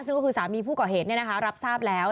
ซึ่งก็คือสามีผู้เก่าเหตุเนี่ยนะคะรับทราบแล้ว